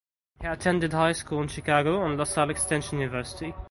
He attended high school in Chicago and La Salle Extension University.